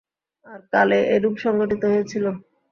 আর কালে এরূপই সংঘটিত হয়েছিল।